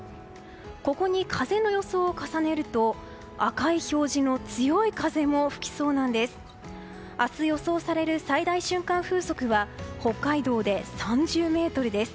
ここに風の予想を重ねると赤い表示の強い風も吹きそうなんです。